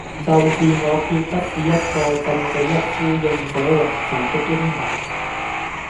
就是我決不是一個振臂一呼應者雲集的英雄。